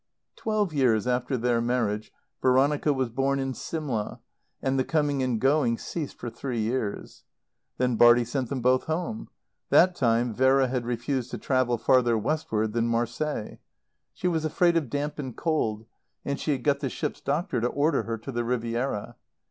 Twelve years after their marriage Veronica was born at Simla, and the coming and going ceased for three years. Then Bartie sent them both home. That time Vera had refused to travel farther westward than Marseilles. She was afraid of damp and cold, and she had got the ship's doctor to order her to the Riviera.